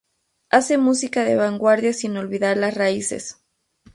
Hace música de vanguardia sin olvidar las raíces.